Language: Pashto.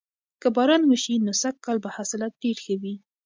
که باران وشي نو سږکال به حاصلات ډیر ښه وي.